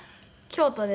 京都で？